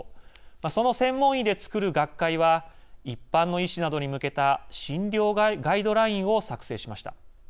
その専門医で作る学会は一般の医師などに向けた診療ガイドラインを作成しました。